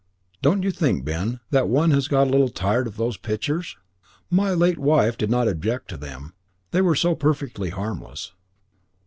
"Don't you think, Ben, that one has got a little tired of those pictures?" "My late wife did not object to them, they were so perfectly harmless."